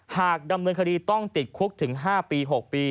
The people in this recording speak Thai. หากดำเนินคดีต้องติดคุกถึง๕ปี๖ปี